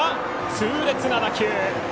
痛烈な打球。